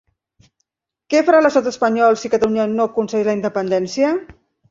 Què farà l'estat espanyol si Catalunya no aconsegueix la independència?